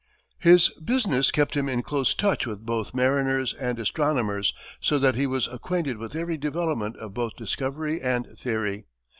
His business kept him in close touch with both mariners and astronomers, so that he was acquainted with every development of both discovery and theory.